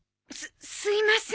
すいません。